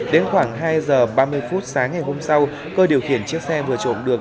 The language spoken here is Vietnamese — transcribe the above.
đến khoảng hai giờ ba mươi phút sáng ngày hôm sau cơ điều khiển chiếc xe vừa trộm được